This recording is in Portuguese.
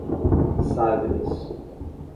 Sagres